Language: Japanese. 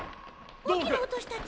おおきなおとしたち。